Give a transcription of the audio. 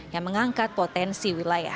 yang mengangkat potensi wilayah